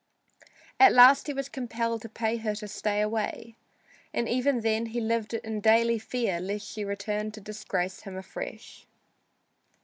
At last he was compelled to pay her to stay away, and even then he lived in daily fear lest she return to disgrace him afresh.